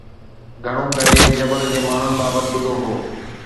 گهڻو ڪري جبل جي ماڻهن بابت ٻڌو هو